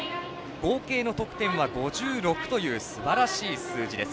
合計の得点は５６というすばらしい数字です。